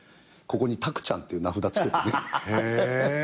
ここに「たくちゃん」っていう名札つけてね。